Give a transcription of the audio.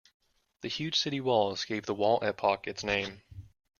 The huge city walls gave the wall epoch its name.